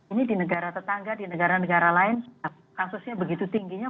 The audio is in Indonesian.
ini di negara tetangga di negara negara lain kasusnya begitu tingginya